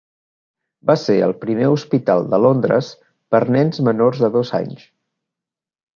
Va ser el primer hospital de Londres per a nens menors de dos anys.